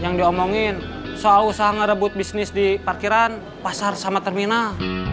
yang diomongin soal usaha ngerebut bisnis di parkiran pasar sama terminal